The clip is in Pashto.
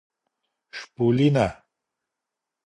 شپولینه